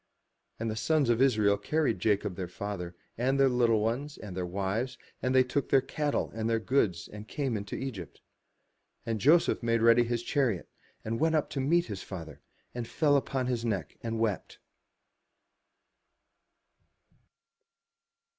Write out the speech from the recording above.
And the sons of Israel carried Jacob their father, and their little ones, and their wives, and they took their cattle and their goods, and came into Egypt. And Joseph made ready his chariot, and went up to meet his father, and he fell on his neck, and wept.